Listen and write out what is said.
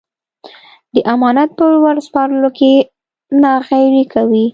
د امانت په ور سپارلو کې ناغېړي کوي.